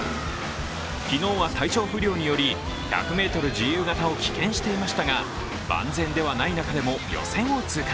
昨日は体調不良により、１００ｍ自由形を棄権していましたが万全ではない中でも予選を通過。